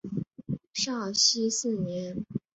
绍熙四年。